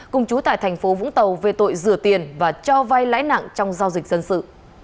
cùng chú tại thành phố vũng tàu về tội rửa tiền và cho vai lãi nặng trong giao dịch dân sự